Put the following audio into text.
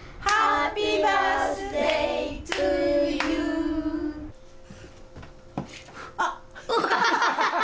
「ハッピーバースデイトゥユー」あっ。